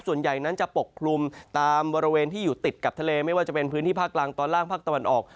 ส่วนใหญ่นั้นจะปกคลุมตามบริเวณที่อยู่ติดกับทะเลไม่ว่าจะเป็นพื้นที่ภาคกลางตอนล่างภาคตะวันออก